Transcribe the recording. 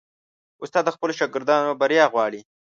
استاد د خپلو شاګردانو بریا غواړي.